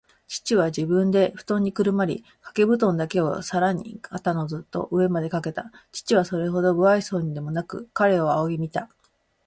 父は自分でふとんにくるまり、かけぶとんだけをさらに肩のずっと上までかけた。父はそれほど無愛想そうにでもなく、彼を仰ぎ見た。